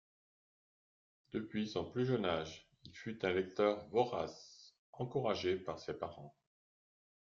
Depuis son plus jeune âge, il fut un lecteur vorace, encouragé par ses parents.